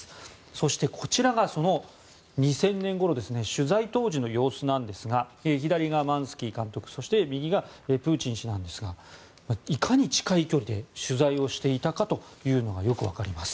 そして、こちらがその２０００年ごろ取材当時の様子なんですが左がマンスキー監督そして右がプーチン氏なんですがいかに近い距離で取材をしていたかというのがよく分かります。